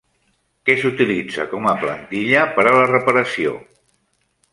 Què s'utilitza com a plantilla per a la reparació?